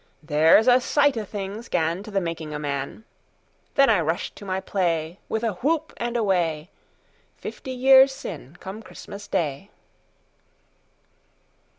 "There 's a sight o' things ganTo the making o' man."Then I rushed to my playWith a whoop and away, Fifty years syne come Christmas Day.